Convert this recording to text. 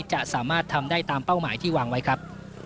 จะสามารถทำได้ตามเป้าหมายที่วางไว้ครับ